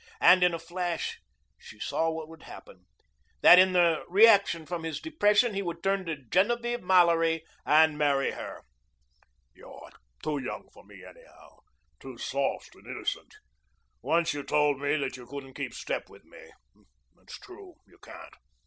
And in a flash she saw what would happen, that in the reaction from his depression he would turn to Genevieve Mallory and marry her. "You're too young for me, anyhow, too soft and innocent. Once you told me that you couldn't keep step with me. It's true. You can't.